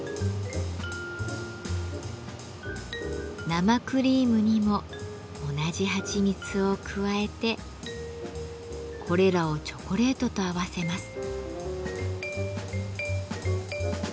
生クリームにも同じはちみつを加えてこれらをチョコレートと合わせます。